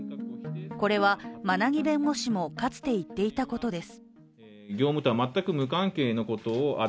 これは馬奈木弁護士もかつて言っていたことです。